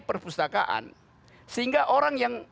perpustakaan sehingga orang yang